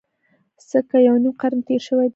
څه کم یو نیم قرن تېر شوی دی.